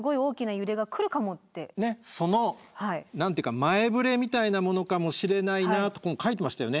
ねっその何て言うか前触れみたいなものかもしれないなと書いてましたよね。